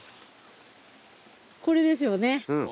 これですよね？